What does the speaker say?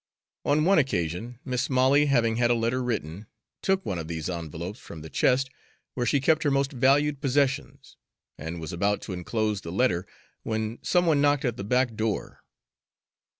On one occasion, Mis' Molly, having had a letter written, took one of these envelopes from the chest where she kept her most valued possessions, and was about to inclose the letter when some one knocked at the back door.